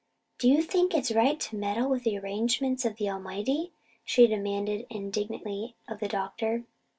"Do you think it right to meddle with the arrangements of the Almighty?" she demanded indignantly of the doctor.